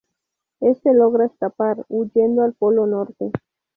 Este logra escapar, huyendo al Polo Norte.